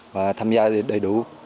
và tham gia đầy đủ